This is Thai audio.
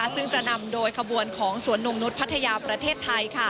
ซึ่งจะนำโดยขบวนของสวนนงนุษย์พัทยาประเทศไทย